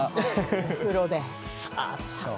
お風呂で。